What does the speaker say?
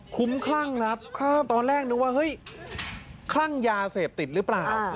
คุ้มคลั่งครับตอนแรกนึกว่าเฮ้ยคลั่งยาเสพติดหรือเปล่า